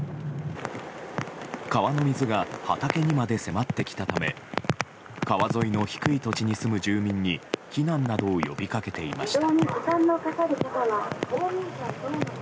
川の水が畑にまで迫ってきたため川沿いの低い土地の住む住民に避難などを呼びかけていました。